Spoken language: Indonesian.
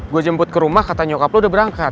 gue jemput ke rumah katanya nyokap lo udah berangkat